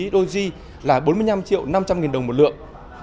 là bốn mươi năm năm triệu đồng một lượng